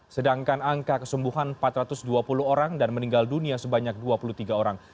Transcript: sedangkan angka kesembuhan empat ratus dua puluh orang dan meninggal dunia sebanyak dua puluh tiga orang